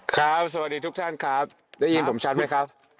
สวัสดีทุกท่านครับได้ยินผมชัดไหมครับ